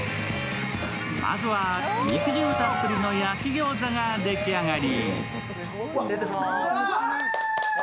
まずは肉汁たっぷりの焼き餃子が出来上がり。